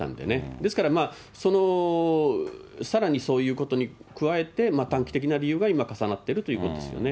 ですから、さらにそういうことに加えて、短期的な理由が今重なってるということですね。